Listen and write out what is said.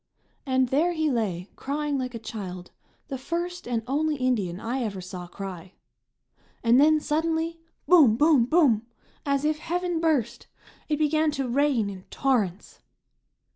And there he lay, crying like a child, the first and only Indian I ever saw cry. And then suddenly boom! boom! boom! as if heaven burst. It began to rain in torrents.